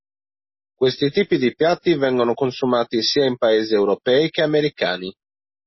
Questi tipi di piatti vengono consumati sia in paesi europei che americani.